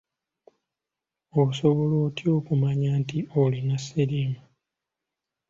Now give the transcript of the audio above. Osobola otya okumanya nti olina siriimu?